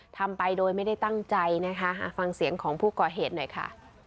ทำไปโดยไม่ได้ตั้งใจนะคะฟังเสียงของผู้ก่อเหตุหน่อยค่ะ